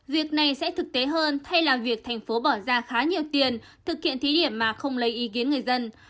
việc này sẽ thực tế hơn thay làm việc tp bỏ ra khá nhiều tiền thực hiện thí điểm mà không lấy ý kiến người dân